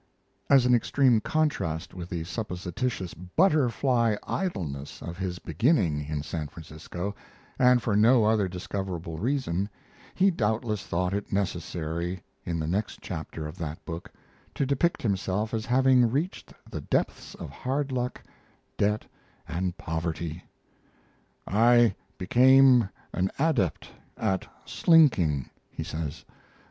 As an extreme contrast with the supposititious "butterfly idleness" of his beginning in San Francisco, and for no other discoverable reason, he doubtless thought it necessary, in the next chapter of that book, to depict himself as having reached the depths of hard luck, debt, and poverty. "I became an adept at slinking," he says.